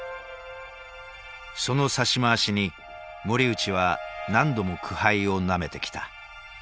その指し回しに森内は何度も苦杯をなめてきた。